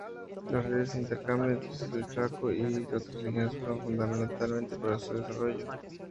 Las redes de intercambio entre Xochicalco y otras regiones fueron fundamentalmente para su desarrollo.